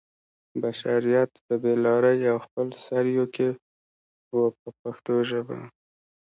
بشریت په بې لارۍ او خپل سرویو کې و په پښتو ژبه.